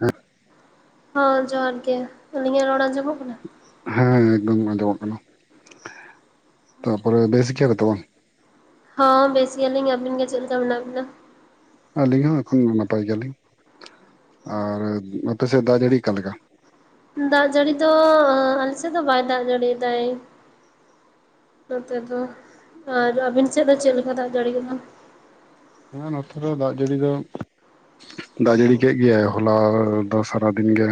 ᱮᱸ ᱦᱚᱸ ᱡᱚᱦᱟᱨ ᱜᱮ ᱟᱹᱞᱤᱧᱟᱜ ᱨᱚᱲ ᱟᱸᱡᱚᱢᱚᱜ ᱠᱟᱱᱟ? ᱦᱮᱸ ᱮᱠᱫᱚᱢ ᱟᱸᱡᱚᱢᱚᱜ ᱠᱟᱱᱟ ᱛᱟᱯᱚᱨᱮ ᱵᱮᱥ ᱜᱮᱭᱟ ᱯᱮ ᱛᱚ? ᱦᱚᱸ ᱵᱮᱥ ᱜᱮᱭᱟᱹᱞᱤᱧ ᱟᱹᱵᱤᱱ ᱜᱮ ᱪᱮᱜ ᱞᱮᱠᱟ ᱢᱮᱱᱟᱜ ᱵᱤᱱᱟ? ᱟᱹᱞᱤᱧ ᱦᱚᱸ ᱮᱠᱷᱚᱱ ᱱᱟᱯᱟᱭ ᱜᱮᱭᱟᱞᱤᱧ ᱟᱨ ᱟᱯᱮ ᱥᱮᱫ ᱫᱟᱜ ᱡᱟᱹᱲᱤ ᱚᱠᱟᱞᱮᱠᱟ? ᱫᱟᱜ ᱡᱟᱹᱲᱤ ᱫᱚ ᱟᱞᱮᱥᱮᱫ ᱫᱚ ᱵᱟᱭ ᱫᱟᱜ ᱡᱟᱹᱲᱤᱭᱫᱟᱭ ᱱᱚᱛᱮ ᱫᱚ ᱟᱨ ᱟᱹᱵᱤᱱ ᱥᱮᱫ ᱫᱚ ᱪᱤᱫ ᱞᱮᱠᱟ ᱫᱟᱜ ᱡᱟᱲᱤ ᱫᱚ ᱦᱟᱸᱜ? ᱦᱮᱸ ᱱᱚᱛᱮ ᱫᱚ ᱫᱟᱜ ᱡᱟᱹᱲᱤ ᱫᱚᱼᱼ ᱫᱟᱜ ᱡᱟᱹᱲᱤ ᱠᱮᱜ ᱜᱮᱭᱟᱭ ᱦᱚᱞᱟ ᱫᱚ ᱥᱟᱨᱟ ᱫᱤᱱ ᱜᱮ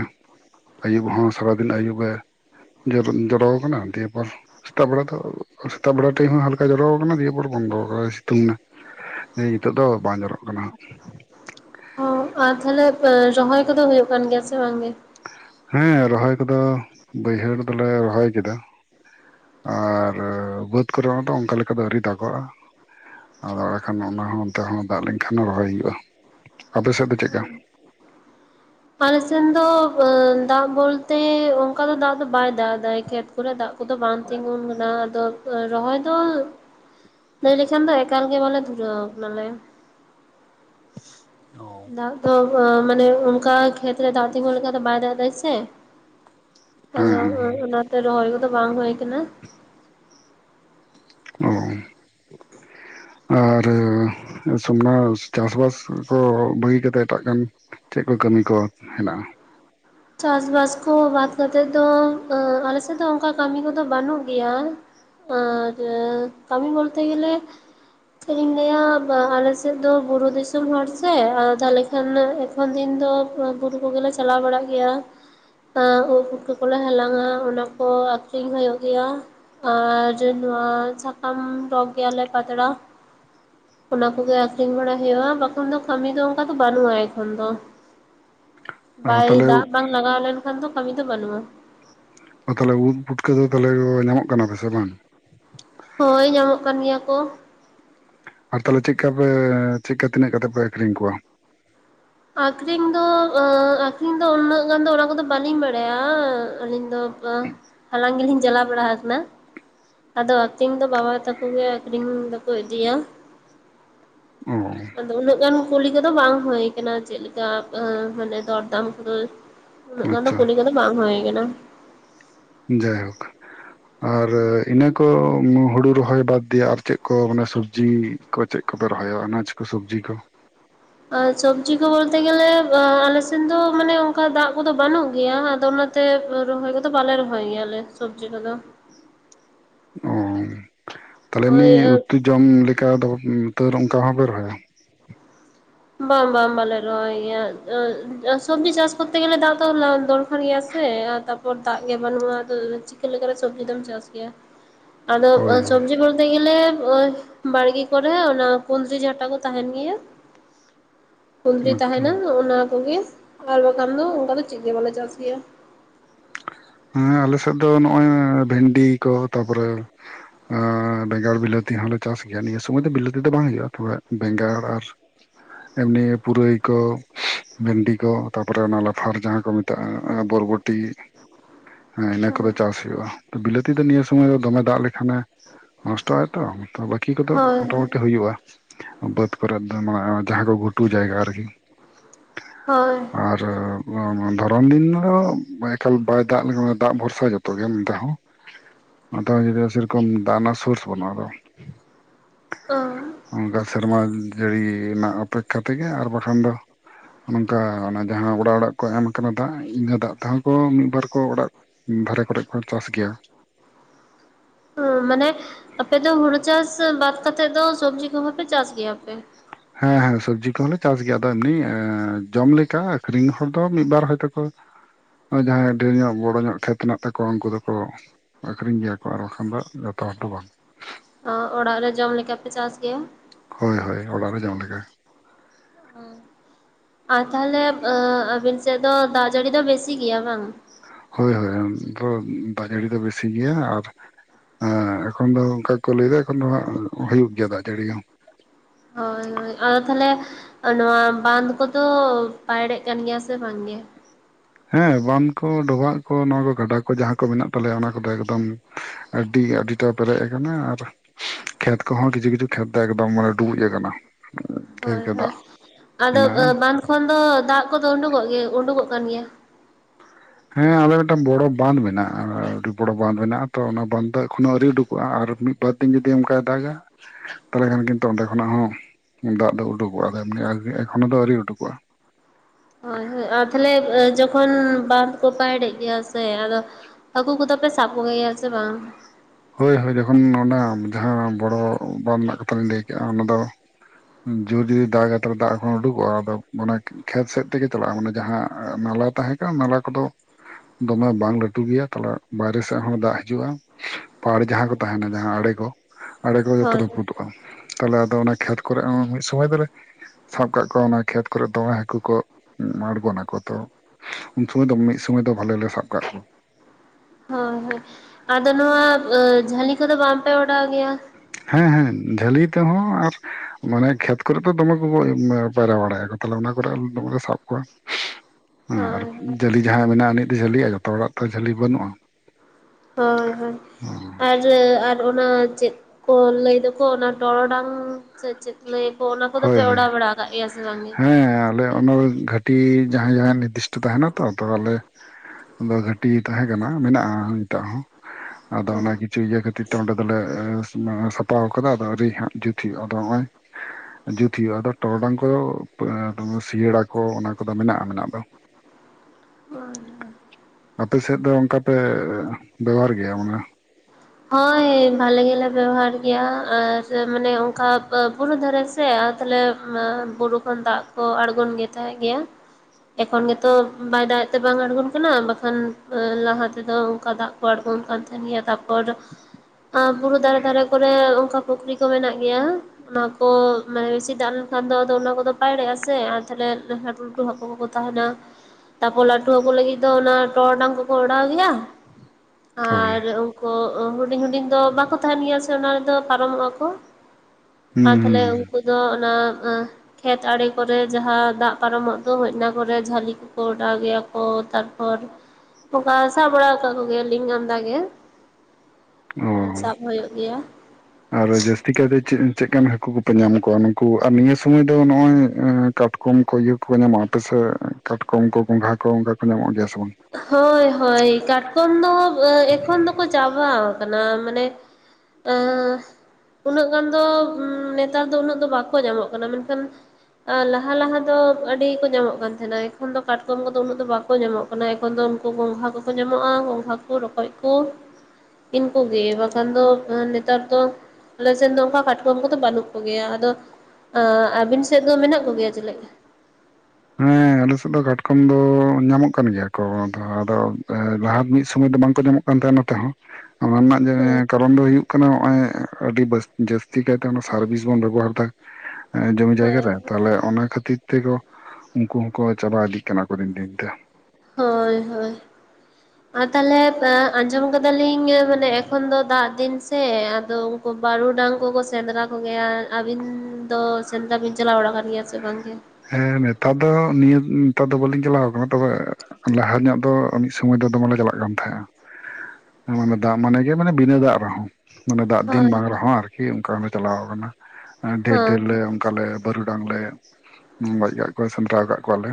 ᱟᱭᱩᱵ ᱦᱚᱸ ᱥᱟᱨᱟᱫᱤᱱ ᱟᱹᱭᱩᱵ ᱮ ᱡᱚᱨ ᱡᱚᱨᱚ ᱠᱟᱱᱟ ᱫᱤᱭᱮᱯᱚᱨ ᱥᱮᱛᱟᱜ ᱵᱮᱲᱟ ᱛᱚ ᱥᱮᱛᱟᱜ ᱵᱮᱲᱟ ᱴᱷᱮᱡ ᱦᱚᱸ ᱦᱟᱞᱠᱟ ᱡᱚᱨᱚ ᱟᱠᱟᱱᱟ ᱫᱤᱭᱮᱯᱚᱨ ᱵᱚᱱᱫᱚ ᱠᱟᱱᱟ ᱥᱤᱛᱩᱝ ᱱᱟ ᱮᱭ ᱱᱤᱛᱚᱜ ᱫᱚ ᱵᱟᱝ ᱡᱚᱨᱚᱜ ᱠᱟᱱᱟ ᱚ ᱟᱨ ᱛᱟᱦᱚᱞᱮ ᱨᱚᱦᱚᱭ ᱠᱚᱫᱚ ᱦᱩᱭᱩᱜ ᱠᱟᱱ ᱜᱮᱭᱟ ᱥᱮ ᱵᱟᱝ ᱜᱮ ᱦᱮᱸ ᱨᱚᱦᱚᱭ ᱠᱚᱫᱚ ᱵᱟᱹᱭᱦᱟᱹᱲ ᱫᱚᱞᱮ ᱨᱚᱦᱚᱭ ᱠᱮᱫᱟ ᱟᱨ ᱵᱟᱹᱫᱽ ᱠᱚᱨᱮ ᱦᱚᱸ ᱛᱚ ᱚᱱᱠᱟ ᱞᱮᱠᱟ ᱫᱚ ᱟᱹᱣᱨᱤ ᱫᱟᱜᱚᱜᱼᱟ ᱟᱫᱚ ᱵᱟᱠᱷᱟᱱ ᱚᱱᱟ ᱦᱚᱸ ᱚᱱᱛᱮ ᱦᱚᱸ ᱫᱟᱜ ᱞᱮᱱᱠᱷᱟᱱ ᱨᱚᱦᱚᱭ ᱦᱩᱭᱩᱜᱼᱟ ᱟᱯᱮ ᱥᱮᱫ ᱫᱚ ᱪᱮᱫᱠᱟ ᱟᱞᱮ ᱥᱮᱱ ᱫᱚ ᱫᱟᱜ ᱵᱚᱞ ᱛᱮ ᱚᱝᱠᱟ ᱫᱚ ᱫᱟᱜ ᱫᱚ ᱵᱟᱭ ᱫᱟᱜ ᱫᱟ ᱠᱷᱮᱛ ᱠᱚᱨᱮ ᱫᱟᱜ ᱠᱚᱫᱚ ᱵᱟᱝ ᱛᱤᱸᱜᱩᱱ ᱠᱟᱱᱟ ᱟᱫᱚ ᱨᱚᱦᱚᱭ ᱫᱚ ᱞᱟᱹᱭ ᱞᱮᱠᱷᱟᱱ ᱫᱚ ᱮᱠᱟᱞ ᱜᱮ ᱵᱟᱞᱮ ᱫᱷᱩᱨᱟᱹᱣ ᱠᱟᱱᱟ ᱞᱮ ᱫᱟᱜ ᱫᱚ ᱢᱟᱱᱮ ᱚᱱᱠᱟᱼᱼ ᱠᱷᱮᱛᱨᱮ ᱫᱟᱜ ᱛᱤᱸᱜᱩ ᱞᱮᱠᱟ ᱛᱚ ᱵᱟᱭ ᱫᱟᱜ ᱫᱟᱭ ᱥᱮ ᱦᱮᱸ ᱦᱮᱸ ᱟᱫᱚ [unintelligible] ᱨᱚᱦᱚᱭ ᱠᱚᱫᱚ ᱵᱟᱝ ᱦᱚᱭ ᱠᱟᱱᱟ ᱚ ᱟᱨᱻ ᱥᱳᱢᱱᱟ ᱪᱟᱥ ᱵᱟᱥ ᱠᱚ ᱵᱟᱹᱜᱤ ᱠᱟᱛᱮ ᱮᱴᱟᱜ ᱠᱟᱹᱢᱤ ᱪᱮᱜ ᱠᱚ ᱠᱟᱹᱢᱤ ᱠᱚ ᱦᱮᱱᱟᱜᱼᱟ? ᱪᱟᱥ ᱵᱟᱥ ᱠᱚ ᱵᱟᱫ ᱠᱟᱛᱮᱫ ᱫᱚ ᱟᱞᱮ ᱥᱮᱫ ᱫᱚ ᱚᱱᱠᱟ ᱠᱟᱹᱢᱤ ᱠᱚᱫᱚ ᱵᱟᱹᱱᱩᱜ ᱜᱮᱭᱟ ᱟᱨ ᱠᱟᱹᱢᱤ ᱵᱚᱞᱛᱮ ᱜᱮᱞᱮᱼᱼ ᱪᱮᱫ ᱤᱧ ᱞᱟᱹᱭᱟ ᱟᱞᱮ ᱥᱮᱫ ᱫᱚ ᱵᱩᱨᱩ ᱫᱤᱥᱚᱢ ᱦᱚᱲ ᱥᱮ [unintelligible] ᱛᱟᱦᱞᱮ [unintelligible] ᱮᱠᱷᱚᱱ ᱫᱤᱱ ᱫᱚ ᱵᱩᱨᱩ ᱠᱚᱜᱮᱞᱮ ᱪᱟᱞᱟᱣ ᱵᱟᱲᱟᱜ ᱜᱮᱭᱟ ᱟᱸ ᱩᱫ ᱯᱩᱴᱠᱟᱸ ᱠᱚᱞᱮ ᱦᱟᱞᱟᱝ-ᱟ ᱚᱱᱟ ᱠᱚ ᱟᱠᱷᱨᱤᱧ ᱦᱳᱭᱳᱜ ᱜᱮᱭᱟ ᱟᱨ ᱡᱮ ᱱᱚᱣᱟ ᱥᱟᱠᱟᱢ ᱨᱚᱜᱽ ᱜᱮᱭᱟᱞᱮ ᱯᱟᱛᱲᱟ ᱚᱱᱟ ᱠᱚᱜᱮ ᱟᱠᱷᱨᱤᱧ ᱵᱟᱲᱟ ᱦᱩᱭᱩᱜ-ᱟ ᱵᱟᱠᱷᱟᱱ ᱫᱚ ᱠᱟᱹᱢᱤ ᱫᱚ ᱚᱱᱠᱟ ᱫᱚ ᱵᱟᱹᱱᱩᱜ-ᱟ ᱮᱠᱷᱚᱱ ᱫᱚ [inaudible] ᱵᱟᱭ ᱛᱟᱦᱚᱞᱮ ᱫᱟᱜ ᱵᱟᱝ ᱞᱟᱜᱟᱣ ᱞᱮᱱ ᱠᱷᱟᱱ ᱫᱚ ᱠᱟᱹᱢᱤ ᱫᱚ ᱵᱟᱹᱱᱩᱜ-ᱟ ᱚ ᱛᱟᱦᱚᱞᱮ ᱩᱫ ᱯᱩᱴᱠᱟᱹ ᱫᱚ ᱛᱟᱞᱦᱮ ᱠᱚ ᱧᱟᱢᱚᱜ ᱠᱟᱱᱟ ᱥᱮ ᱵᱟᱝ ᱦᱳᱭ ᱧᱟᱢᱚᱜ ᱠᱟᱱ ᱜᱤᱭᱟ ᱠᱚ ᱟᱨ ᱛᱟᱞᱦᱮ ᱪᱮᱫᱠᱟ ᱯᱮ ᱪᱮᱫᱠᱟ ᱛᱤᱱᱟᱹᱜ ᱠᱟᱛᱮᱫ ᱯᱮ ᱟᱠᱷᱨᱤᱧ ᱠᱚᱣᱟ ᱟᱠᱷᱨᱤᱧ ᱫᱚ ᱟᱠᱷᱨᱤᱧ ᱫᱚ ᱩᱱᱟᱹᱜ ᱜᱟᱱ ᱫᱚ ᱚᱱᱟ ᱠᱚᱫᱚ ᱵᱟᱹᱞᱤᱧ ᱵᱟᱲᱟᱭᱟ ᱟᱹᱞᱤᱧ ᱫᱚᱼᱼ ᱦᱟᱞᱟᱝ ᱜᱮᱞᱤᱧ ᱪᱟᱞᱟᱣ ᱵᱟᱲᱟᱣ ᱠᱟᱱᱟ ᱟᱫᱚ ᱟᱠᱷᱨᱤᱧ ᱫᱚ ᱵᱟᱵᱟ ᱛᱟᱠᱚ ᱜᱮ ᱟᱠᱷᱨᱤᱧ ᱫᱚᱠᱚ ᱤᱫᱤᱭᱟ ᱚᱻ ᱟᱫᱚ ᱩᱱᱟᱹᱜ ᱜᱟᱱ ᱠᱩᱞᱤ ᱠᱚᱫᱚ ᱵᱟᱝ ᱦᱩᱭ ᱠᱟᱱᱟ ᱪᱮᱫ ᱞᱮᱠᱟ ᱢᱟᱱᱮ ᱫᱚᱨᱫᱟᱢ ᱠᱚᱫᱚ ᱩᱱᱟᱹᱜ ᱜᱟᱱ ᱫᱚ ᱟᱪᱪᱷᱟ ᱠᱩᱞᱤ ᱠᱚᱫᱚ ᱵᱟᱝ ᱦᱩᱭ ᱠᱟᱱᱟ ᱡᱟᱭᱦᱳᱠ ᱟᱨ ᱤᱱᱟᱹ ᱠᱚ ᱦᱩᱲᱩ ᱨᱚᱦᱚᱭ ᱵᱟᱫ ᱫᱤᱭᱮ ᱟᱨ ᱪᱮᱜ ᱠᱚ ᱢᱟᱱᱮ ᱥᱚᱵᱡᱤ ᱠᱚ ᱪᱮᱫ ᱠᱚᱯᱮ ᱨᱚᱦᱚᱭᱟ ᱟᱱᱟᱡᱽ ᱠᱚ ᱥᱚᱵᱡᱤ ᱠᱚᱼᱼ ᱟᱨ ᱥᱚᱵᱡᱤ ᱠᱚ ᱵᱚᱞᱛᱮ ᱜᱮᱞᱮ ᱟᱞᱮ ᱥᱮᱱ ᱫᱚ ᱢᱟᱱᱮ ᱚᱱᱠᱟ ᱫᱟᱜ ᱠᱚᱫᱚ ᱵᱟᱹᱱᱩᱜ ᱜᱮᱭᱟ ᱟᱫᱚ ᱚᱱᱟ ᱛᱮ ᱨᱚᱦᱚᱭ ᱠᱚᱫᱚ ᱵᱟᱞᱮ ᱨᱚᱦᱚᱭ ᱜᱮᱭᱟ ᱞᱮ ᱥᱚᱵᱽᱡᱤ ᱠᱚᱫᱚ ᱚ ᱛᱟᱞᱦᱮ ᱮᱢᱱᱤ ᱳᱭ ᱩᱛᱩ ᱡᱚᱢ ᱞᱮᱠᱟ ᱫᱚ ᱛᱟᱣ ᱨᱮᱦᱚᱸ ᱚᱱᱠᱟ ᱵᱟᱝ ᱯᱮ ᱨᱚᱦᱚᱭᱟ ᱵᱟᱝ ᱵᱟᱝ ᱵᱟᱞᱮ ᱨᱚᱦᱚᱭ ᱜᱮᱭᱟ ᱥᱚᱵᱽᱡᱤ ᱪᱟᱥ ᱠᱚᱨ ᱛᱮ ᱜᱮᱞᱮ ᱫᱟᱜ ᱫᱚ ᱫᱚᱨᱠᱟᱨ ᱜᱮᱭᱟ ᱥᱮ ᱟᱨ ᱛᱟᱯᱚᱨ ᱛᱟᱨᱯᱚᱨ ᱫᱟᱜ ᱜᱮ ᱵᱟᱹᱱᱩᱜᱼᱟ ᱛᱚ ᱪᱤᱠᱟᱹ ᱞᱮᱠᱟ ᱨᱮ ᱥᱚᱵᱡᱤ ᱫᱚᱢ ᱪᱟᱥ ᱜᱮᱭᱟ ᱟᱫᱚ ᱦᱳᱭ ᱦᱳᱭ ᱥᱚᱵᱡᱤ ᱵᱚᱞ ᱛᱮ ᱜᱮᱞᱮ ᱳᱭ ᱵᱟᱲᱜᱮ ᱠᱚᱨᱮ ᱚᱱᱟ ᱠᱩᱸᱫᱽᱨᱤ ᱡᱷᱟᱴᱟ ᱠᱚ ᱛᱟᱦᱮᱱ ᱜᱮᱭᱟ ᱾ ᱠᱩᱸᱱᱫᱽᱨᱤ ᱛᱟᱦᱮᱱᱟ ᱮᱠᱫᱚᱢ ᱚᱱᱟ ᱠᱚᱜᱮ ᱟᱨ ᱵᱟᱝᱠᱷᱟᱱ ᱫᱚ ᱚᱱᱠᱟ ᱫᱚ ᱪᱮᱫ ᱜᱮ ᱵᱟᱞᱮ ᱪᱟᱥ ᱜᱮᱭᱟ ᱾ ᱦᱮᱸ, ᱟᱞᱮ ᱥᱮᱫ ᱫᱚ ᱱᱚᱜᱼᱚᱭ ᱵᱷᱮᱱᱰᱤ ᱠᱚ ᱛᱟᱯᱚᱨᱮ ᱟᱨ ᱵᱮᱸᱜᱟᱲ ᱵᱤᱞᱟᱹᱛᱤ ᱦᱚᱸᱞᱮ ᱪᱟᱥ ᱜᱮᱭᱟ, ᱱᱤᱭᱟᱹ ᱥᱚᱢᱚᱭ ᱫᱚ ᱵᱤᱞᱟᱹᱛᱤ ᱫᱚ ᱵᱟᱝ ᱦᱩᱭᱩᱜᱼᱟ ᱛᱷᱚᱲᱟ ᱵᱮᱸᱜᱟᱲ ᱟᱨ ᱮᱢᱱᱤ ᱯᱩᱨᱟᱹᱭ ᱠᱚ, ᱵᱷᱮᱱᱰᱤ ᱠᱚ ᱛᱟᱯᱚᱨᱮ ᱚᱱᱟ ᱞᱟᱯᱷᱟᱨ ᱡᱟᱦᱟᱸ ᱠᱚ ᱢᱮᱛᱟᱜᱼᱟ ᱵᱚᱨᱵᱚ ᱴᱤ ᱾ ᱦᱮᱸ ᱤᱱᱟᱹ ᱠᱚᱫᱚ ᱪᱟᱥ ᱦᱩᱭᱩᱜᱼᱟ, ᱵᱤᱞᱟᱹᱛᱤ ᱫᱚ ᱱᱤᱭᱟᱹ ᱥᱚᱢᱚᱭ ᱫᱚ ᱫᱚᱢᱮ ᱫᱟᱜ ᱞᱮᱠᱷᱟᱱᱮ ᱱᱚᱥᱴᱚ ᱟᱭᱛᱚ ᱛᱚ ᱵᱟᱹᱠᱤ ᱠᱚᱫᱚ ᱦᱳᱭ ᱢᱚᱴᱟ ᱦᱳᱭ ᱢᱩᱴᱤ ᱦᱩᱭᱩᱜᱼᱟ ᱾ ᱵᱟᱹᱫ ᱠᱚᱨᱮᱜ ᱫᱚ ᱱᱚᱣᱟ ᱡᱟᱦᱟᱸ ᱠᱚ ᱜᱷᱩᱴᱩ ᱡᱟᱭᱜᱟ ᱟᱨᱠᱤ ᱾ ᱦᱳᱭ ᱾ ᱟᱨ ᱱᱳᱣᱟ ᱱᱳᱣᱟ ᱫᱷᱚᱨᱚᱱ ᱫᱤᱱ ᱫᱚ ᱵᱟᱭ ᱮᱠᱟᱞ ᱵᱟᱭ ᱫᱟᱜ ᱞᱮᱠᱷᱟ ᱢᱟ ᱫᱟᱜ ᱵᱷᱚᱨᱥᱟ ᱡᱚᱛᱚ ᱜᱮ ᱚᱱᱚᱛᱮ ᱦᱚᱸ ᱾ ᱱᱚᱛᱮ ᱦᱚᱸ ᱡᱚᱫᱤᱣ ᱥᱮᱨᱚᱠᱚᱢ ᱫᱟᱜ ᱱᱟᱜ ᱥᱳᱨᱥ ᱵᱟᱹᱱᱩᱜᱼᱟ, ᱟᱫᱚ ᱚ ᱾ ᱚᱝᱠᱟ ᱥᱮᱨᱢᱟ ᱡᱟᱹᱲᱤ ᱱᱟᱜ ᱚᱯᱮᱠᱠᱷᱟ ᱛᱮᱜᱮ ᱟᱨ ᱵᱟᱠᱷᱟᱱ ᱫᱚ ᱱᱚᱝᱠᱟ ᱚᱱᱟ ᱡᱟᱦᱟᱸ ᱚᱲᱟᱜ ᱚᱲᱟᱜ ᱠᱚ ᱮᱢ ᱠᱟᱱᱟ ᱫᱟᱜ ᱤᱱᱟᱹ ᱫᱟᱜ ᱛᱮᱦᱚᱸ ᱠᱚ ᱢᱤᱜ ᱵᱟᱨ ᱠᱚ ᱚᱲᱟᱜ ᱫᱷᱟᱨᱮ ᱠᱚᱨᱮᱜ ᱠᱚ ᱪᱟᱥ ᱜᱮᱭᱟ ᱾ ᱦᱩᱸ, ᱢᱟᱱᱮ ᱟᱯᱮ ᱫᱚ ᱦᱩᱲᱩ ᱪᱟᱥ ᱵᱟᱫ ᱠᱟᱛᱮᱫ ᱫᱚ ᱥᱚᱵᱽᱡᱤ ᱠᱚᱦᱚᱸ ᱯᱮ ᱪᱟᱥ ᱜᱮᱭᱟ ᱯᱮ? ᱦᱮᱸ ᱦᱮᱸ ᱥᱚᱵᱽᱡᱤ ᱠᱚᱦᱚᱸᱞᱮ ᱪᱟᱥ ᱜᱮᱭᱟ, ᱟᱫᱚ ᱮᱢᱱᱤ ᱮᱻ ᱡᱚᱢ ᱞᱮᱠᱟ ᱟᱠᱷᱨᱤᱧ ᱦᱚᱲ ᱫᱚ ᱢᱤᱫ ᱵᱟᱨ ᱦᱚᱭᱛᱳ ᱡᱟᱦᱟᱸᱭ ᱰᱷᱮᱨ ᱧᱚᱜ ᱵᱚᱲᱚ ᱧᱚᱜ ᱠᱷᱮᱛ ᱦᱮᱱᱟᱜ ᱛᱟᱠᱚᱣᱟ ᱩᱝᱠᱩ ᱫᱚᱠᱚ ᱟᱠᱷᱨᱤᱧ ᱜᱮᱭᱟ ᱠᱚ ᱟᱨ ᱵᱟᱠᱷᱟᱱ ᱫᱚ ᱡᱚᱛᱚ ᱦᱚᱲ ᱫᱚ ᱵᱟ ᱾ ᱦᱚᱸ, ᱚᱲᱟᱜ ᱨᱮ ᱡᱚᱢ ᱞᱮᱠᱟ ᱯᱮ ᱪᱟᱥ ᱜᱮᱭᱟ? ᱦᱳᱭ, ᱦᱳᱭ, ᱚᱲᱟᱜ ᱨᱮ ᱡᱚᱢ ᱞᱮᱠᱟ ᱾ ᱟᱨ ᱛᱟᱦᱞᱮ ᱟᱸᱻ ᱟᱵᱤᱱ ᱥᱮᱫ ᱫᱚ ᱫᱟᱜ ᱡᱟᱹᱲᱤ ᱫᱚ ᱵᱮᱥᱤ ᱜᱮᱭᱟ ᱵᱟᱝ? ᱦᱳᱭ ᱦᱳᱭ ᱦᱳᱭ, ᱱᱚᱛᱮ ᱫᱟᱜ ᱡᱟᱹᱲᱤ ᱫᱚ ᱵᱮᱥᱤ ᱜᱮᱭᱟ ᱟᱨ ᱟ ᱮᱠᱷᱚᱱ ᱫᱚ ᱚᱱᱠᱟ ᱜᱮᱠᱚ ᱞᱟᱹᱭ ᱫᱟ ᱮᱠᱷᱚᱱ ᱫᱚ ᱦᱟᱜ ᱦᱩᱭᱩᱜ ᱜᱮᱭᱟ ᱫᱟᱜ ᱡᱟᱹᱲᱤ ᱦᱚᱸ ᱾ ᱦᱳᱭ, ᱦᱳᱭ, ᱟᱫᱚ ᱛᱟᱦᱚᱞᱮ ᱱᱚᱣᱟ ᱵᱟᱸᱫ ᱠᱚᱫᱚ ᱯᱟᱭᱲᱮᱜ ᱠᱟᱱ ᱜᱮᱭᱟ ᱥᱮ ᱵᱟᱝᱜᱮ? ᱦᱮᱸ ᱵᱟᱸᱫᱷ ᱠᱚ ᱰᱚᱵᱷᱟᱜ ᱠᱚ, ᱱᱚᱣᱟ ᱠᱚ ᱜᱟᱰᱟ ᱠᱚ ᱡᱟᱦᱟᱸ ᱠᱚ ᱢᱮᱱᱟᱜ ᱛᱟᱞᱮᱭᱟ ᱚᱱᱟ ᱠᱚᱫᱚ ᱮᱠᱫᱚᱢ ᱟᱹᱰᱤ ᱟᱹᱰᱤᱴᱟ ᱯᱮᱨᱮᱡ ᱠᱟᱱᱟ ᱟᱨ ᱠᱷᱮᱛ ᱠᱚᱦᱚᱸ ᱠᱤᱪᱷᱩ ᱠᱤᱪᱷᱩ ᱠᱷᱮᱛ ᱫᱚ ᱮᱠᱫᱚᱢ ᱢᱟᱱᱮ ᱰᱩᱵᱩᱡ ᱟᱠᱟᱱᱟ ᱾ ᱦᱳᱭ, ᱦᱳᱭ, ᱟᱫᱚ ᱚ ᱦᱮᱱᱟᱜᱼᱟ ᱵᱟᱸᱫᱷ ᱠᱷᱚᱱ ᱫᱚ ᱫᱟᱜ ᱠᱚᱫᱚ ᱩᱸᱰᱩᱝᱚᱜ ᱜᱮ ᱩᱰᱩᱝᱚᱜ ᱠᱟᱱ ᱜᱮᱭᱟ? ᱦᱮᱸ ᱟᱞᱮ ᱢᱮᱫᱴᱟᱝ ᱵᱚᱲᱚ ᱵᱟᱸᱫ ᱢᱮᱱᱟᱜᱼᱟ ᱟᱹᱰᱤ ᱵᱚᱲᱚ ᱵᱟᱸᱫᱷ ᱢᱮᱱᱟᱜᱼᱟ ᱛᱚ ᱚᱱᱟ ᱵᱟᱸᱫᱷ ᱫᱟᱜ ᱮᱠᱷᱚᱱᱚ ᱟᱣᱨᱤ ᱩᱰᱩᱠᱚᱜᱼᱟ ᱟᱨ ᱢᱤᱫ ᱵᱟᱨ ᱫᱤᱱ ᱡᱩᱫᱤ ᱚᱱᱠᱟᱭ ᱫᱟᱜᱟ, ᱛᱟᱦᱚᱞᱮ ᱠᱷᱟᱱ ᱠᱤᱱᱛᱩ ᱚᱸᱰᱮ ᱠᱷᱚᱱᱟᱜ ᱦᱚᱸ ᱫᱟᱜ ᱫᱚ ᱩᱰᱩᱠᱚᱜᱼᱟ ᱮᱢᱱᱤ ᱟᱹᱨᱠᱤ ᱮᱠᱷᱱᱚ ᱫᱚ ᱟᱣᱨᱤ ᱩᱰᱩᱠᱚᱜᱼᱟ ᱾ ᱦᱳᱭ, ᱦᱳᱭ, ᱟᱨ ᱛᱟᱦᱞᱮ ᱮ ᱡᱚᱠᱷᱚᱱ ᱵᱟᱸᱫ ᱠᱚ ᱯᱟᱭᱲᱮᱡ ᱜᱮᱭᱟ ᱥᱮ ᱟᱫᱚ ᱦᱟᱹᱠᱩ ᱠᱚᱫᱚ ᱯᱮ ᱥᱟᱵ ᱠᱚᱜᱮ ᱜᱮᱭᱟ ᱥᱮ ᱵᱟᱝ? ᱦᱳᱭ, ᱦᱳᱭ, ᱡᱚᱠᱷᱚᱱ ᱚᱱᱟ ᱡᱟᱦᱟᱸ ᱵᱚᱲᱚ ᱵᱟᱸᱫ ᱨᱮᱱᱟᱜ ᱠᱟᱛᱷᱟ ᱞᱤᱧ ᱞᱟᱹᱭ ᱠᱮᱜᱼᱟ ᱚᱱᱟ ᱫᱚ ᱡᱳᱨ ᱡᱩᱫᱤ ᱫᱟᱜᱼᱟ ᱛᱚᱵᱮ ᱫᱟᱜ ᱠᱚᱦᱚᱸ ᱩᱰᱩᱠᱚᱜᱼᱟ, ᱟᱫᱚ ᱚᱱᱟ ᱠᱷᱮᱛ ᱥᱮᱫ ᱛᱮᱜᱮ ᱪᱟᱞᱟᱜᱼᱟ ᱢᱟᱱᱮ ᱡᱟᱦᱟᱸ ᱱᱟᱞᱟ ᱛᱟᱦᱮᱸ ᱠᱟᱱ ᱱᱟᱞᱟ ᱠᱚᱫᱚ ᱫᱚᱢᱮ ᱵᱟᱝ ᱞᱟᱹᱴᱩ ᱜᱮᱭᱟ, ᱛᱟᱞᱦᱮ ᱵᱟᱭᱨᱮ ᱥᱮᱫ ᱦᱚᱸ ᱫᱟᱜ ᱦᱤᱡᱩᱜᱼᱟ ᱾ ᱯᱟᱦᱟᱲ ᱡᱟᱦᱟᱸ ᱠᱚ ᱛᱟᱦᱮᱱᱟ ᱡᱟᱦᱟᱸ ᱟᱲᱮᱠᱚ ᱟᱲᱮ ᱠᱚ ᱡᱚᱛᱚ ᱦᱳᱭ ᱨᱟᱹᱯᱩᱫᱚᱜ ᱟ, ᱛᱟᱦᱞᱮ ᱟᱫᱚ ᱚᱱᱟ ᱠᱷᱮᱛ ᱠᱚᱨᱮᱜ ᱦᱚᱸ ᱢᱤᱫ ᱥᱚᱢᱚᱭ ᱫᱚᱞᱮ ᱥᱟᱵ ᱠᱟᱜ ᱠᱚᱣᱟ ᱚᱱᱟ ᱠᱷᱮᱛ ᱠᱚᱨᱮᱜ ᱫᱚᱢᱮ ᱦᱟᱹᱠᱩ ᱠᱚ ᱟᱬᱜᱚᱱᱟᱠᱚ, ᱛᱚ ᱩᱱᱥᱚᱢᱚᱭ ᱫᱚ ᱢᱤᱫ ᱥᱚᱢᱚᱭ ᱫᱚ ᱵᱷᱟᱞᱮ ᱞᱮ ᱥᱟᱵ ᱠᱟᱜ ᱠᱚᱣᱟ ᱾ ᱦᱳᱭ, ᱦᱳᱭ, ᱟᱫᱚ ᱱᱚᱣᱟ ᱟᱸ ᱡᱷᱟᱹᱞᱤ ᱠᱚᱫᱚ ᱵᱟᱝᱯᱮ ᱚᱰᱟᱣ ᱜᱮᱭᱟ? ᱦᱮᱸ ᱦᱮᱸ ᱡᱷᱟᱹᱞᱤ ᱛᱮᱦᱚᱸ ᱟᱨ ᱢᱟᱱᱮ ᱠᱷᱮᱛ ᱠᱚᱨᱮ ᱫᱚ ᱫᱚᱢᱮ ᱠᱚᱠᱚ ᱮᱢ ᱯᱟᱭᱨᱟ ᱵᱟᱲᱟᱭᱟᱠᱚ᱾ ᱛᱟᱞᱦᱮ ᱚᱱᱟ ᱠᱚᱨᱮᱞᱮ ᱫᱚᱢᱮ ᱞᱮ ᱥᱟᱵ ᱠᱚᱣᱟ᱾ ᱟᱨ ᱦᱳᱭ ᱡᱷᱟᱹᱞᱤ ᱡᱟᱦᱟᱸᱭᱟᱜ ᱢᱮᱱᱟᱜᱼᱟ ᱩᱱᱤᱭᱟᱜ ᱫᱚ ᱡᱷᱟᱹᱞᱤᱜᱼᱟ ᱡᱚᱛᱚ ᱦᱚᱲᱟᱜ ᱛᱚ ᱡᱷᱟᱹᱞᱤ ᱵᱟᱹᱱᱩᱜᱼᱟ᱾ ᱦᱳᱭ ᱦᱳᱭ ᱟᱨ ᱟᱨ ᱚᱱᱟ ᱪᱮᱫ ᱠᱚ ᱞᱟᱹᱭ ᱫᱚᱠᱚ ᱚᱱᱟ ᱴᱚᱨᱚᱰᱟᱝ ᱥᱮ ᱪᱮᱫ ᱞᱟᱹᱭ ᱦᱳᱭ ᱦᱳᱭ, ᱦᱮᱸ ᱟᱞᱮ ᱚᱱᱟ [unintelligible] ᱴᱤ ᱡᱟᱦᱟᱸᱭ ᱡᱟᱦᱟᱸᱭᱟᱜ ᱱᱤᱨᱫᱤᱥᱴᱚ ᱛᱟᱦᱮᱱᱟ ᱛᱚ, ᱟᱫᱚ ᱟᱞᱮ ᱟᱫᱚ ᱜᱷᱟᱹᱴᱤ ᱛᱟᱦᱮᱸ ᱠᱟᱱᱟ ᱢᱮᱱᱟᱜᱼᱟ ᱱᱤᱛᱚᱜ ᱦᱚᱸ᱾ ᱟᱫᱚ ᱚ ᱚᱱᱟ ᱠᱤᱪᱷᱩ ᱤᱭᱟᱹ ᱠᱷᱟᱹᱛᱤᱨ ᱛᱮ ᱚᱸᱰᱮ ᱫᱚ ᱞᱮ [unintelligible] ᱯᱟᱣ ᱠᱟᱫᱟ ᱟᱫᱚ ᱟᱹᱣᱨᱤ ᱦᱟᱸᱜ ᱡᱩᱛ ᱦᱩᱭᱩᱜ-ᱟ ᱟᱫᱚ ᱦᱚᱜᱼᱚᱭ ᱡᱩᱛ ᱦᱩᱭᱩᱜᱼᱟ ᱟᱫᱚ ᱴᱚᱨᱰᱟᱝ ᱠᱚᱫᱚ ᱮᱸ ᱛᱳᱢᱟᱨ ᱥᱤᱭᱟᱹᱲᱟ ᱠᱚ ᱚᱱᱟ ᱠᱚ ᱫᱚ ᱢᱮᱱᱟᱜᱼᱟ ᱢᱮᱱᱟᱜ ᱫᱚ᱾ ᱦᱳᱭ᱾ ᱟᱯᱮ ᱥᱮᱫ ᱫᱚ ᱚᱱᱠᱟ ᱯᱮ ᱵᱮᱵᱷᱟᱨ ᱜᱮᱭᱟ ᱚᱱᱟ? ᱦᱳᱭ ᱵᱷᱟᱞᱮ ᱜᱮᱞᱮ ᱵᱮᱵᱚᱦᱟᱨ ᱮᱭᱟ ᱟᱨ ᱢᱟᱱᱮ ᱚᱝᱠᱟ ᱵᱩᱨᱩ ᱫᱷᱟᱨᱮ ᱥᱮ ᱟᱨ ᱛᱟᱞᱦᱮ ᱵᱩᱨᱩ ᱠᱷᱚᱱ ᱫᱟᱜ ᱠᱚ ᱟᱬᱜᱚᱱ ᱜᱮ ᱛᱟᱦᱮᱸᱜ ᱜᱮᱭᱟ᱾ ᱮᱠᱷᱚᱱ ᱜᱮᱛᱚ ᱵᱟᱭ ᱫᱟᱜ ᱮᱫ ᱛᱮ ᱵᱟᱝ ᱟᱬᱜᱚᱱ ᱠᱟᱱᱟ ᱵᱟᱠᱷᱟᱱ ᱮ ᱞᱟᱦᱟ ᱛᱮᱫᱚ ᱚᱱᱠᱟ ᱫᱟᱜ ᱠᱚ ᱟᱬᱜᱚᱱ ᱠᱟᱱ ᱛᱟᱦᱮᱱ ᱜᱮᱭᱟ ᱛᱟᱨᱯᱚᱨ [inaudible] ᱟᱸ ᱵᱩᱨᱩ ᱫᱷᱟᱨᱮ ᱫᱷᱟᱨᱮ ᱠᱚᱨᱮ ᱚᱝᱠᱟ ᱯᱩᱠᱷᱨᱤ ᱠᱚ ᱢᱮᱱᱟᱜ ᱜᱮᱭᱟ᱾ ᱚᱱᱟ ᱠᱚ ᱢᱟᱱᱮ ᱵᱮᱥᱤ ᱫᱟᱜ ᱞᱮᱱᱠᱷᱟᱱ ᱫᱚ ᱟᱫᱚ ᱚᱱᱟ ᱠᱚᱫᱚ ᱯᱟᱭᱲᱮᱼᱟ ᱥᱮ ᱟᱨ ᱛᱟᱦᱞᱮ [inaudible] ᱞᱟᱹᱴᱩ ᱦᱟᱹᱠᱩ ᱦᱚᱠᱚ ᱛᱟᱦᱮᱱᱟ ᱛᱟᱯᱚᱨ ᱞᱟᱹᱴᱷᱩ ᱦᱟᱹᱠᱩ ᱞᱟᱹᱜᱤᱫ ᱫᱚ ᱚᱱᱟ ᱴᱚᱨᱰᱟᱝ ᱠᱚ ᱠᱚ ᱚᱰᱟᱣ ᱜᱮᱭᱟ, ᱦᱳᱭ ᱟᱨ ᱠᱚ ᱦᱩᱰᱤᱧ ᱦᱩᱰᱤᱧ ᱫᱚ ᱵᱟᱠᱚ ᱛᱟᱦᱮᱱ ᱜᱮᱭᱟ ᱥᱮ ᱚᱱᱟ ᱨᱮᱫᱚ ᱯᱟᱨᱚᱢᱚᱜᱼᱟ ᱠᱚ᱾ ᱟᱨ ᱦᱩᱸ ᱛᱟᱞᱦᱮ ᱩᱱᱠᱩ ᱦᱩᱸ ᱫᱚ ᱚᱱᱟ ᱟᱸ ᱠᱷᱮᱛ ᱟᱲᱮ ᱠᱚᱨᱮ ᱡᱟᱦᱟᱸ ᱫᱟᱜ ᱯᱟᱨᱚᱢᱚᱜ ᱫᱚ ᱦᱩᱭ ᱚᱱᱟ ᱠᱚᱨᱮ ᱡᱷᱟᱞᱤ ᱠᱚᱠᱚ ᱚᱰᱟᱣ ᱜᱮᱭᱟ ᱠᱚ ᱛᱟᱨ ᱯᱚᱨ ᱚᱱᱠᱟ ᱥᱟᱵ ᱵᱟᱲᱟᱣ ᱠᱟᱜ ᱠᱚ ᱜᱮᱭᱟᱞᱤᱧ ᱟᱢᱫᱟ ᱜᱮ᱾ ᱟᱨ ᱚ ᱥᱟᱵ ᱦᱳᱭᱳᱜ ᱜᱮᱭᱟ᱾ [inaudible] ᱟᱨ ᱡᱟᱹᱥᱛᱤ ᱠᱟᱭ ᱛᱮ ᱪᱮᱜ ᱪᱮᱫᱠᱟᱱ ᱦᱟᱹᱠᱩ ᱠᱚᱯᱮ ᱧᱟᱢ ᱠᱚᱣᱟ ᱱᱩᱠᱩ ᱟᱨ ᱱᱤᱭᱟᱹ ᱥᱩᱢᱚᱭ ᱫᱚ ᱱᱚᱸᱜᱼᱚᱭ ᱮᱸ ᱠᱟᱴᱠᱚᱢ ᱠᱚ ᱤᱭᱟᱹ ᱠᱚ ᱧᱟᱢᱚᱜᱼᱟ ᱟᱯᱮ ᱥᱮ ᱠᱟᱴᱠᱚᱢ ᱠᱚ ᱜᱚᱸᱜᱷᱟ ᱠᱚ ᱚᱱᱠᱟ ᱠᱚ ᱧᱟᱢᱚᱜ ᱜᱮᱭᱟ ᱥᱮ ᱵᱟᱝ? ᱦᱳᱭ ᱦᱳᱭ ᱠᱟᱴᱠᱚᱢ ᱫᱚ ᱮ ᱮᱠᱷᱚᱱ ᱫᱚᱠᱚ ᱪᱟᱵᱟᱣ ᱠᱟᱱᱟ ᱢᱟᱱᱮ ᱮ ᱩᱱᱟᱹᱜ ᱜᱟᱱ ᱫᱚ ᱩᱸ ᱱᱮᱛᱟᱨ ᱫᱚ ᱩᱱᱟᱹᱜ ᱫᱚ ᱵᱟᱠᱚ ᱧᱟᱢᱚᱜ ᱠᱟᱱᱟ ᱢᱮᱱᱠᱷᱟᱱ ᱟᱨ ᱞᱟᱦᱟ ᱞᱟᱦᱟ ᱫᱚ ᱟᱹᱰᱤ ᱠᱚ ᱧᱟᱢᱚᱜ ᱠᱟᱱ ᱛᱟᱦᱮᱸᱱᱟ ᱮᱠᱷᱚᱱ ᱫᱚ ᱠᱟᱴᱠᱚᱢ ᱠᱚᱫᱚ ᱩᱱᱟᱹᱜ ᱫᱚ ᱵᱟᱠᱚ ᱧᱟᱢᱚᱜ ᱚᱱᱟ ᱮᱠᱷᱚᱱ ᱫᱚ ᱩᱱᱠᱩ ᱜᱚᱸᱜᱷᱟ ᱠᱚᱠᱚ ᱧᱟᱢᱚᱜᱼᱟ ᱜᱚᱸᱜᱷᱟ ᱠᱚ ᱨᱚᱠᱚᱡ ᱠᱚ ᱤᱱᱠᱩ ᱜᱮ ᱵᱟᱠᱷᱟᱱ ᱫᱚ ᱮ ᱱᱮᱛᱟᱨ ᱫᱚ ᱟᱞᱮ ᱥᱮᱱ ᱫᱚ ᱚᱱᱠᱟ ᱠᱟᱴᱠᱚᱢ ᱠᱚᱫᱚ ᱵᱟᱹᱱᱩᱜ ᱠᱚᱜᱮᱭᱟ ᱟᱫᱚ ᱮᱸ ᱟᱹᱵᱤᱱ ᱥᱮᱫ ᱫᱚ ᱢᱮᱱᱟᱜ ᱠᱚᱜᱮᱭᱟ ᱪᱮᱞᱮᱫ? ᱦᱮᱸ᱾ ᱟᱞᱮ ᱥᱮᱫ ᱫᱚ ᱠᱟᱴᱠᱚᱢ ᱫᱚ ᱧᱟᱢᱚᱜ ᱠᱟᱱ ᱜᱮᱭᱟ ᱠᱚ ᱟᱫᱟ ᱟᱫᱚ ᱞᱟᱦᱟ ᱢᱤᱫ ᱥᱚᱢᱚᱭ ᱫᱚ ᱵᱟᱝᱠᱚ ᱧᱟᱢᱚᱜ ᱠᱟᱱ ᱛᱟᱦᱮᱸᱜ ᱱᱚᱛᱮ ᱦᱚᱸ, ᱚᱱᱟ ᱨᱮᱱᱟᱜ ᱡᱮ ᱦᱮᱸ ᱠᱟᱨᱚᱱ ᱫᱚ ᱦᱩᱭᱩᱜ ᱠᱟᱱᱟ ᱦᱚᱸᱜᱼᱚᱭ ᱟᱹᱰᱤ ᱵᱟᱹᱥ ᱡᱟᱹᱥᱛᱤ ᱠᱟᱭᱛᱮ ᱚᱱᱟ ᱥᱟᱨ ᱵᱤᱥ ᱵᱚᱱ ᱵᱮᱵᱚᱦᱟᱨ ᱫᱟ ᱮᱸ ᱡᱚᱢᱤ ᱡᱟᱭᱜᱟ ᱦᱳᱭ ᱨᱮ ᱛᱟᱦᱚᱞᱮ ᱚᱱᱟ ᱠᱷᱟᱹᱛᱤᱨ ᱛᱮᱠᱚ ᱩᱱᱠᱩ ᱦᱚᱸᱠᱚ ᱪᱟᱵᱟ ᱤᱫᱤᱜ ᱠᱟᱱᱟ ᱠᱚ ᱫᱤᱱ ᱫᱤᱱ ᱛᱮ᱾ ᱦᱳᱭ ᱦᱳᱭ᱾ [inaudible] ᱟᱨ ᱛᱟᱦᱞᱮ ᱟᱸᱡᱚᱢ ᱠᱟᱫᱟ ᱞᱤᱧ ᱢᱟᱱᱮ ᱮᱠᱷᱚᱱ ᱫᱚ ᱫᱟᱜ ᱫᱤᱱ ᱥᱮ ᱟᱫᱚ ᱵᱟᱹᱨᱩᱰᱟᱝ ᱠᱚ ᱠᱚ ᱥᱮᱸᱫᱽᱨᱟ ᱠᱚ ᱜᱮᱭᱟ ᱟᱹᱵᱤᱱ ᱫᱚ ᱥᱮᱱᱫᱟ ᱵᱤᱱ ᱪᱟᱞᱟᱣ ᱵᱟᱲᱟᱣ ᱠᱟᱱ ᱜᱮᱭᱟ ᱥᱮ ᱵᱟᱝ ᱜᱮ? ᱦᱮᱸ ᱱᱮᱛᱟᱨ ᱫᱚ ᱱᱤᱭᱟᱹ ᱱᱮᱛᱟᱨ ᱫᱚ ᱵᱟᱹᱞᱤᱧ ᱪᱟᱞᱟᱣ ᱠᱟᱱᱟ ᱛᱚᱵᱮ ᱞᱟᱦᱟ ᱧᱚᱜ ᱫᱚ ᱢᱤᱫ ᱥᱚᱢᱚᱭ ᱫᱚ ᱫᱚᱢᱮ ᱞᱮ ᱪᱟᱞᱟᱜ ᱠᱟᱱ ᱛᱟᱦᱮᱸᱜᱼᱟ᱾ ᱦᱮᱸ ᱢᱟᱱᱮ ᱫᱟᱜ ᱢᱟᱱᱮ ᱜᱮ ᱢᱟᱱᱮ ᱵᱤᱱᱟᱹ ᱫᱟᱜ ᱨᱮᱦᱚᱸ᱾ ᱢᱟᱱᱮ ᱫᱟᱜ ᱫᱤᱱ ᱦᱳᱭ ᱵᱟᱝ ᱨᱮ ᱦᱚᱸ ᱟᱨᱠᱤ ᱚᱝᱠᱟ ᱦᱚᱸᱞᱮ ᱪᱟᱞᱟᱣ ᱠᱟᱱᱟ, ᱮ ᱰᱷᱮᱨ ᱦᱳᱭ ᱰᱷᱮᱨ ᱞᱮ ᱚᱝᱠᱟ ᱞᱮ ᱵᱟᱹᱨᱩᱰᱟᱝ ᱞᱮ ᱜᱚᱡ ᱠᱟᱜ ᱠᱚᱣᱟ ᱥᱮᱸᱫᱽᱨᱟᱣ ᱠᱟᱜ ᱠᱚᱣᱟᱞᱮ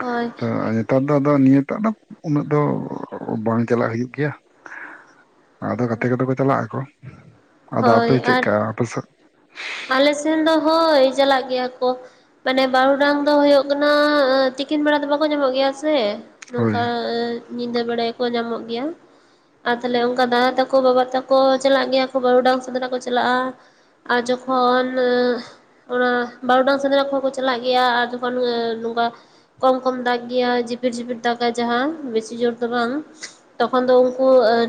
ᱦᱳᱭ ᱛᱚ ᱱᱤᱛ ᱛᱟᱨ ᱫᱚ ᱟᱫᱚ ᱱᱤᱭᱟᱹᱴᱟᱜ ᱫᱚ ᱩᱱᱟᱹᱜ ᱫᱚ ᱵᱟᱝ ᱪᱟᱞᱟᱜ ᱦᱩᱭᱩᱜ ᱜᱮᱭᱟ᱾ ᱟᱫᱚ ᱜᱟᱛᱮ ᱠᱚ ᱫᱚ ᱠᱚ ᱪᱟᱞᱟᱜ ᱟᱠᱚ, ᱟᱫᱚ ᱦᱳᱭ ᱟᱯᱮ ᱟᱨ ᱪᱮᱜᱠᱟ ᱟᱯᱮ ᱥᱮᱫ? ᱟᱞᱮ ᱥᱮᱱ ᱫᱚ ᱦᱳᱭ ᱪᱟᱞᱟᱜ ᱜᱮᱭᱟ ᱠᱚ᱾ ᱢᱟᱱᱮ ᱵᱟᱨᱩᱰᱟᱝ ᱫᱚ ᱦᱳᱭᱳᱜ ᱠᱟᱱᱟ ᱮ ᱛᱤᱠᱤᱱ ᱵᱮᱲᱟ ᱫᱚ ᱵᱟᱠᱚ ᱧᱟᱢᱚᱜ ᱜᱮᱭᱟ ᱥᱮ᱾ ᱱᱚᱝᱠᱟ ᱦᱳᱭ ᱟᱹ ᱧᱤᱫᱟᱹ ᱵᱮᱲᱟᱭ ᱠᱚ ᱧᱟᱢᱚᱜ ᱜᱮᱭᱟ᱾ ᱟᱨ ᱛᱟᱞᱦᱮ ᱚᱝᱠᱟ ᱫᱟᱫᱟ ᱛᱟᱠᱚ, ᱵᱟᱵᱟ ᱛᱟᱠᱚ ᱪᱟᱞᱟᱜ ᱜᱮᱭᱟ ᱠᱚ ᱵᱟᱹᱩᱰᱟᱝ ᱥᱮᱸᱫᱽᱨᱟᱜ ᱠᱚ ᱪᱟᱞᱟᱜ-ᱟ᱾ ᱟᱨ ᱡᱚᱠ ᱠᱷᱚᱱ ᱚᱱᱟ ᱵᱟᱨᱚᱰᱟᱝ ᱥᱮᱸᱫᱽᱨᱟ ᱠᱚ ᱦᱚᱸ ᱠᱚ ᱪᱟᱞᱟᱜ ᱜᱮᱭᱟ ᱟᱨ ᱡᱚᱠᱷᱚᱱ ᱱᱚᱝᱠᱟ ᱠᱚᱢ ᱠᱚᱢ ᱫᱟᱜ ᱜᱮᱭᱟ ᱡᱤᱯᱤᱨ ᱡᱤᱯᱤᱨ ᱫᱟᱜᱟᱭ ᱡᱟᱦᱟᱸ, ᱵᱮᱥᱤ ᱡᱳᱨ ᱫᱚ ᱵᱟᱝ᱾ ᱛᱚᱠᱷᱚᱱ ᱫᱚ ᱩᱝᱠᱩ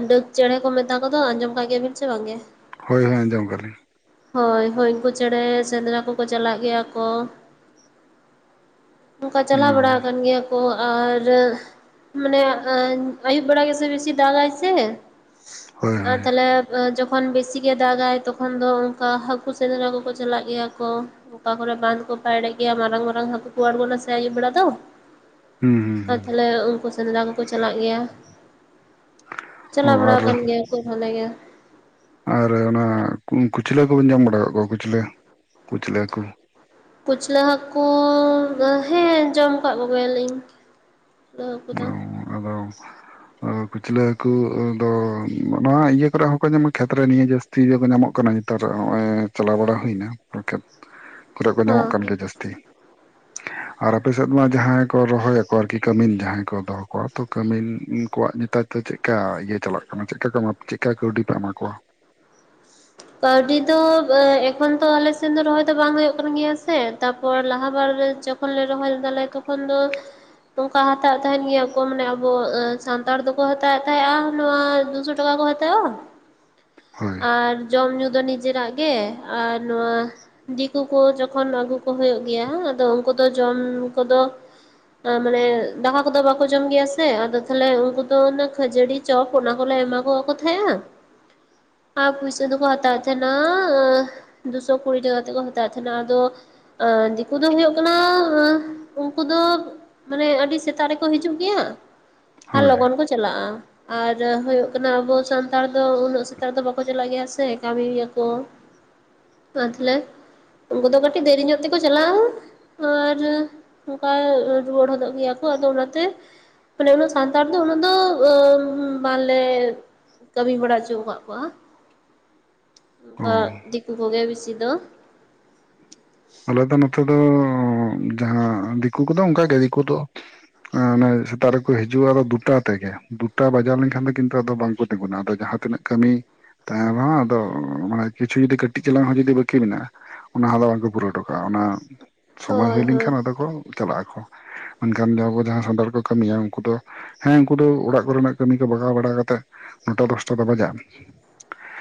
ᱰᱟᱹᱠ ᱪᱮᱸᱬᱮ ᱠᱚ ᱢᱮᱛᱟ ᱠᱚ ᱫᱚ, ᱟᱸᱡᱚᱢ ᱠᱟᱜ ᱜᱮᱭᱟᱵᱤᱱ ᱥᱮ ᱵᱟᱝ ᱜᱮ? ᱦᱳᱭ ᱦᱳᱭ ᱟᱸᱡᱚᱢ ᱠᱟᱜ-ᱟ ᱞᱤᱧ᱾ ᱦᱳᱭ ᱦᱳᱭ ᱩᱝᱠᱩ ᱪᱮᱸᱬᱮ ᱥᱮᱸᱫᱽᱨᱟ ᱠᱚ ᱠᱚ ᱪᱟᱞᱟᱜ ᱜᱮᱭᱟ ᱠᱚ᱾ ᱱᱚᱝᱠᱟ ᱪᱟᱞᱟᱣ ᱚ ᱵᱟᱲᱟ ᱟᱠᱟᱱ ᱜᱮᱭᱟᱢ? ᱚ ᱟᱨ ᱢᱟᱱᱮ ᱟᱹᱧ ᱟᱹᱭᱩᱵ ᱵᱮᱲᱟ ᱜᱮ ᱥᱮ ᱵᱮᱥᱤ ᱫᱟᱜᱟᱭ ᱥᱮ᱾ ᱦᱳᱭ ᱟᱨ ᱦᱳᱭ ᱛᱟᱞᱮ ᱡᱚᱠᱷᱚᱱ ᱵᱮᱥᱤ ᱜᱮ ᱫᱟᱜᱟᱭ ᱛᱚᱠᱷᱚᱱ ᱫᱚ ᱠᱟ ᱦᱟᱹᱠᱩ ᱥᱮᱸᱫᱽᱨᱟ ᱠᱚ ᱠᱚ ᱪᱟᱞᱟᱜ ᱜᱮᱭᱟ ᱠᱚ᱾ ᱚᱠᱟ ᱠᱚ ᱨᱮ ᱵᱟᱸᱫ ᱠᱚ ᱯᱟᱭᱲᱮᱜ ᱜᱮᱭᱟ ᱢᱟᱨᱟᱝ ᱢᱟᱨᱟᱝ ᱦᱟᱹᱠᱩ ᱠᱚ ᱟᱲᱜᱚᱱᱟ ᱥᱮ ᱟᱹᱭᱩᱵ ᱵᱮᱲᱟ ᱫᱚ᱾ ᱦᱩᱸ ᱦᱩᱸ ᱟᱨ ᱦᱩᱸ ᱛᱷᱟᱞᱮ ᱩᱝᱠᱩ ᱥᱮᱸᱫᱽᱨᱟ ᱠᱚ ᱠᱚ ᱪᱟᱞᱟᱜ ᱜᱮᱭᱟ᱾ ᱚ ᱪᱟᱞᱟ ᱵᱟᱲᱟᱣ ᱟᱨ ᱠᱟᱱ ᱜᱮᱭᱟ ᱠᱚ ᱵᱷᱟᱞᱮ ᱜᱮ᱾ ᱟᱨ ᱚᱱᱟ ᱠᱩ ᱠᱩᱪᱞᱟᱹ ᱦᱟᱹᱠᱩ ᱵᱮᱱ ᱡᱟᱢ ᱵᱟᱲᱟᱣ ᱠᱟᱜ ᱠᱚᱣᱟ ᱠᱩᱪᱞᱟᱹ ᱠᱩᱪᱞᱟᱹ ᱦᱟᱹᱠᱩ? ᱠᱩᱪᱞᱟᱹ ᱦᱟᱹᱠᱩ ᱫᱚ ᱦᱮᱸ ᱡᱚᱢ ᱠᱟᱜ ᱠᱚ ᱜᱮᱭᱟᱞᱤᱧ᱾ ᱟᱫᱚ ᱩᱝᱠᱩ ᱫᱚ ᱟᱫᱚ ᱟᱫᱚ ᱠᱩᱪᱞᱟᱹ ᱦᱟᱹᱠᱩ ᱫᱚ ᱱᱚ-ᱱᱚᱣᱟ ᱤᱭᱟᱹ ᱠᱚᱨᱮ ᱦᱚᱸ ᱠᱚ ᱧᱟᱢᱟ ᱠᱷᱮᱛ ᱨᱮ ᱱᱤᱭᱟᱹ ᱡᱟᱹᱥ ᱛᱤ ᱨᱮ ᱠᱚ ᱧᱟᱢᱚᱜ ᱠᱟᱱᱟ ᱧᱮᱛᱟᱨ ᱦᱚᱸᱜ-ᱚᱭ ᱪᱟᱞᱟᱣ ᱵᱟᱲᱟ ᱦᱩᱭ ᱱᱟ ᱯᱚᱲᱠᱮᱛ᱾ ᱠᱚᱨᱮᱜ ᱠᱚ ᱧᱟᱢᱚᱜ ᱦᱚᱸ ᱠᱟᱱ ᱜᱮᱭᱟ ᱡᱟᱹᱥᱛᱤ ᱟᱨ ᱟᱯᱮ ᱥᱮᱫ ᱢᱟ ᱡᱟᱦᱟᱸᱭ ᱠᱚ ᱨᱚᱦᱚᱭᱟᱠᱚ ᱟᱨ ᱠᱤ ᱠᱟᱹᱢᱤ ᱡᱟᱦᱟᱸᱭ ᱠᱚ ᱫᱚᱦᱚᱸ ᱠᱚᱣᱟ ᱛᱚ ᱠᱟᱹᱢᱤ ᱠᱚᱣᱟᱜ ᱱᱮᱛᱟᱨ ᱫᱚ ᱪᱮᱜᱠᱟ ᱤᱭᱟᱹ ᱪᱟᱞᱟᱜ ᱠᱟᱱᱟ ᱪᱮᱜ ᱠᱟ ᱠᱚ ᱮᱢᱟ ᱪᱮᱜᱠᱟ ᱠᱟᱹᱣᱰᱤ ᱯᱮ ᱮᱢᱟ ᱠᱚᱣᱟ? ᱠᱟᱹᱣᱰᱤ ᱫᱚ ᱮᱠᱷᱚᱱ ᱛᱚ ᱟᱞᱮ ᱥᱮᱱ ᱫᱚ ᱨᱚᱦᱚᱭ ᱫᱚ ᱵᱟᱝ ᱦᱳᱭᱳᱜ ᱠᱟᱱ ᱜᱮᱭᱟ ᱥᱮ ᱛᱟᱯᱚᱨ ᱞᱟᱦᱟ ᱵᱟᱨ ᱨᱮ ᱡᱚᱠ ᱠᱷᱚᱱ ᱞᱮ ᱨᱚᱦᱚᱭ ᱞᱮᱫᱟ ᱞᱮ ᱛᱚᱠᱷᱚᱱ ᱫᱚ ᱚᱝᱠᱟ ᱦᱟᱛᱟᱣᱮᱫ ᱛᱟᱦᱮᱸᱱ ᱜᱮᱭᱟᱹ ᱠᱚ ᱢᱟᱱᱮ ᱟᱵᱚ ᱮᱸ ᱥᱟᱱᱛᱟᱲ ᱫᱚ ᱠᱚ ᱦᱟᱛᱟᱣᱮᱫ ᱛᱟᱦᱮᱸᱜ-ᱟ ᱱᱚᱣᱟ ᱫᱩᱥᱚ ᱴᱟ ᱴᱟᱠᱟ ᱠᱚ ᱦᱟᱛᱟᱣᱟ᱾ ᱦᱳᱭ᱾ ᱟᱨ ᱡᱚᱢ ᱧᱩ ᱫᱚ ᱱᱤᱡᱮ ᱨᱟᱜ ᱜᱮ ᱟᱨ ᱱᱚᱣᱟ ᱫᱤᱠᱩ ᱠᱚ ᱡᱚᱠᱷᱚᱱ ᱟᱹᱜᱩ ᱠᱚ ᱦᱳᱭᱳᱜ ᱜᱮᱭᱟ ᱟᱫᱚ ᱩᱝᱠᱩ ᱫᱚ ᱡᱚᱢ ᱠᱚᱫᱚ ᱟ ᱢᱟᱱᱮ ᱫᱟᱠᱟ ᱠᱚᱫᱚ ᱵᱟᱠᱚ ᱡᱚᱢ ᱜᱮᱭᱟ ᱥᱮ ᱟᱫᱚ ᱛᱷᱟᱞᱮ ᱩᱝᱠᱩ ᱫᱚ ᱚᱱᱟ ᱠᱷᱟᱹᱡᱟᱹᱲᱤ ᱪᱚᱯ ᱚᱱᱟ ᱠᱚᱞᱮ ᱮᱢᱟ ᱠᱚ ᱜᱚᱜᱠ ᱛᱟᱦᱮᱸᱜ-ᱟ [inaudible] ᱟ ᱯᱩᱭᱥ ᱛᱮ ᱫᱚ ᱠᱚ ᱦᱟᱛᱟᱣᱮᱜ ᱛᱟᱦᱮᱱᱟᱻ ᱫᱩᱥᱚ ᱠᱩᱲᱤ ᱴᱟᱠᱟ ᱠᱟᱛᱮᱜ ᱠᱚ ᱦᱟᱛᱟᱣᱮᱫ ᱛᱟᱦᱮᱸᱱᱟ, ᱟᱫᱚ ᱟ ᱫᱤᱠᱩ ᱫᱚ ᱦᱩᱭᱩᱜ ᱠᱟᱱᱟᱻ ᱩᱝᱠᱩ ᱫᱚ ᱢᱟᱱᱮ ᱟᱹᱰᱤ ᱥᱮᱛᱟᱜ ᱨᱮᱠᱚ ᱦᱤᱡᱩᱜ ᱜᱮᱭᱟ ᱾ ᱟᱨ ᱦᱳᱭ ᱞᱚᱜᱚᱱ ᱠᱚ ᱪᱟᱞᱟᱜ-ᱟ ᱟᱨ ᱦᱩᱭᱩᱜ ᱠᱟᱱᱟ ᱟᱵᱚ ᱥᱟᱱᱛᱟᱲ ᱫᱚ ᱩᱱᱟᱹᱜ ᱥᱮ ᱛᱟᱨ ᱫᱚ ᱵᱟᱠᱚ ᱪᱟᱞᱟᱜ ᱜᱮᱭᱟ ᱥᱮ ᱠᱟᱹᱢᱤ ᱜᱮᱭᱟ ᱠᱚ [inaudible] ᱩᱝᱠᱩ ᱫᱚ ᱠᱟᱹᱴᱤᱜ ᱫᱮᱨᱤ ᱧᱚᱜ ᱛᱮ ᱠᱚ ᱪᱟᱞᱟᱜ-ᱟ ᱾ ᱟᱨ ᱚᱝᱠᱟ ᱨᱩᱣᱟᱹᱲ ᱦᱚᱫᱚᱜ ᱜᱮᱭᱟ ᱠᱚ ᱟᱫᱚ ᱚᱱᱟ ᱛᱮᱼᱼ ᱢᱟᱱᱮ ᱩᱱᱟᱹᱜ ᱥᱟᱱᱛᱟᱨ ᱫᱚ ᱩᱱᱟᱹᱜ ᱫᱚ ᱟᱹ ᱵᱟᱞᱮᱼᱼ ᱠᱟᱹᱢᱤ ᱵᱟᱲᱟ ᱚᱪᱚᱣ ᱠᱟᱜ ᱠᱚᱣᱟ ᱾ ᱚ ᱚᱝᱠᱟ [inaudible] ᱫᱤᱠᱩ ᱠᱚ ᱜᱮ ᱵᱤᱥᱤ ᱫᱚ ᱾ ᱟᱞᱮ ᱫᱚ ᱱᱚᱛᱮ ᱫᱚ ᱡᱟᱦᱟᱸ ᱫᱤᱠᱩ ᱠᱚᱫᱚ ᱚᱱᱠᱟᱜᱮ ᱫᱤᱠᱩ ᱫᱚᱼᱼ ᱚᱱᱮ ᱥᱮᱛᱟᱜ ᱨᱮᱠᱚ ᱦᱤᱡᱩᱜᱼᱟ ᱫᱚ ᱫᱩᱴᱟ ᱛᱮᱜᱮ, ᱫᱩᱴᱟ ᱵᱟᱡᱟᱣ ᱞᱮᱱᱠᱷᱟᱱ ᱫᱚ ᱠᱤᱱᱛᱩ ᱟᱫᱚ ᱵᱟᱝᱠᱚ ᱛᱤᱸᱜᱩᱱᱟ ᱟᱫᱚ ᱡᱟᱦᱟᱸ ᱛᱤᱱᱟᱹᱜᱼᱼ ᱠᱟᱹᱢᱤᱼᱼ ᱛᱟᱭᱚᱢ ᱦᱚᱸ ᱟᱫᱚ ᱢᱟᱱᱮ ᱠᱤᱪᱷᱩ ᱡᱩᱫᱤ ᱠᱟᱹᱴᱤᱡ ᱪᱟᱞᱟᱝ ᱦᱚᱸ ᱡᱩᱫᱤ ᱵᱟᱹᱠᱤ ᱢᱮᱱᱟᱜᱼᱟ ᱚᱱᱟ ᱦᱚᱸᱫᱚ ᱵᱟᱝᱠᱚ ᱯᱩᱨᱟᱹᱣᱟ ᱾ ᱴᱚ ᱠᱟᱜᱼᱟ, ᱚᱱᱟ ᱥᱚᱢᱚᱭ ᱦᱳᱭ ᱦᱩᱭ ᱦᱳᱭ᱾ ᱞᱮᱱᱠᱷᱟᱱ ᱟᱫᱚ ᱠᱚ ᱪᱟᱞᱟᱜ ᱟᱠᱚ ᱾ ᱢᱮᱱᱠᱷᱟᱱ ᱫᱚ ᱟᱵᱚ ᱡᱟᱦᱟᱸ ᱦᱚᱫᱚᱲ ᱠᱚ ᱠᱟᱹᱢᱤᱭᱟ ᱩᱱᱠᱩ ᱫᱚᱼᱼ ᱦᱮᱸ ᱩᱱᱠᱩ ᱫᱚ ᱚᱲᱟᱜ ᱠᱚᱨᱮᱱᱟᱜ ᱠᱟᱹᱢᱤ ᱠᱚ ᱵᱟᱜᱟᱣ ᱵᱟᱲᱟ ᱠᱟᱛᱮᱫ ᱱᱚᱴᱟ ᱫᱚᱥᱴᱟ ᱫᱚ ᱵᱟᱡᱟᱜ ᱾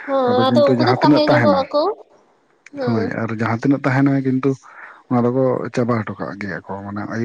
ᱦᱮᱸ ᱟᱫᱚ ᱠᱤᱱᱛᱩ ᱩᱱᱠᱩ ᱫᱚ ᱡᱟᱦᱟᱸ ᱛᱤᱱᱟᱹᱜ ᱛᱟᱦᱮᱸ ᱛᱟᱦᱮᱱᱟ, ᱧᱚᱜᱚᱜ ᱟᱠᱚ ᱦᱮᱸ᱾ ᱦᱳᱭ ᱟᱫᱚ ᱡᱟᱦᱟᱸᱼᱼ ᱛᱟᱸᱦᱮᱱᱟ ᱠᱤᱱᱛᱩ ᱚᱱᱟ ᱫᱚᱠᱚ ᱪᱟᱵᱟ ᱦᱚᱴᱚ ᱠᱟᱜ ᱜᱮᱭᱟ ᱠᱚ ᱢᱟᱱᱮ ᱟᱭᱩᱵᱼᱼ